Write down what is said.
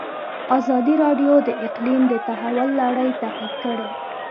ازادي راډیو د اقلیم د تحول لړۍ تعقیب کړې.